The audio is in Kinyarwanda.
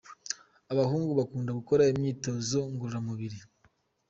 Abahungu bakunda gukora imyitozo ngororamubiri.